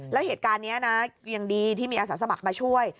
แล้วเหตุการณ์นี้นะยังดีที่มีอาสาสมัครมาช่วย